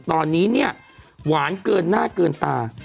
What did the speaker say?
ตอนนี้เนี่ยหวานเกินหน้าเกินตา